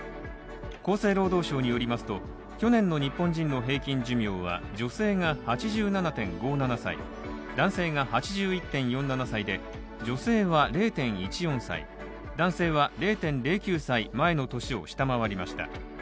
厚生労働省によりますと去年の日本人の平均寿命は女性が８７．５７歳、男性が８１．４７歳で女性は０．１４歳、男性は０．０９歳、前の年を下回りました。